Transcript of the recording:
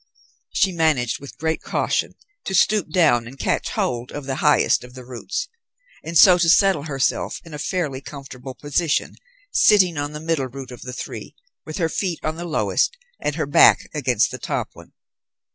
She managed, with great caution, to stoop down and catch hold of the highest of the roots, and so to settle herself in a fairly comfortable position, sitting on the middle root of the three, with her feet on the lowest, and her back against the top one.